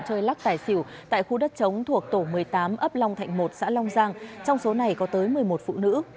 chơi lắc tài xỉu tại khu đất chống thuộc tổ một mươi tám ấp long thạnh một xã long giang trong số này có tới một mươi một phụ nữ